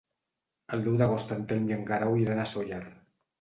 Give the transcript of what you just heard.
El deu d'agost en Telm i en Guerau iran a Sóller.